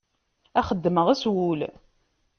A xeddmeɣ s wul.